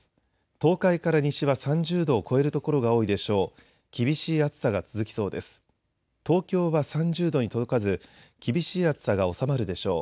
東海から西は３０度を超える所が多いでしょう。